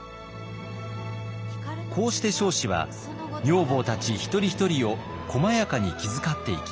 こうして彰子は女房たち一人一人を細やかに気遣っていきました。